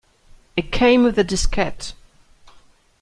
It came with a diskette.